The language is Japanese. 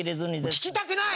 聞きたくない！